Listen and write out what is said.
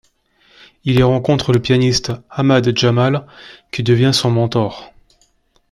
Elle y rencontre le pianiste Ahmad Jamal qui devient son mentor.